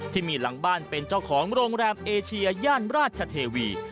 ที่มีหลังบ้านเป็นเจ้าของโรงแรมเอเชียย่านราชเทวี